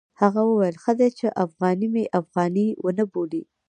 هغه وویل ښه دی چې افغاني مې افغاني ونه بولي.